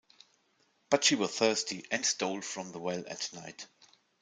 But she was thirsty, and stole from the well at night.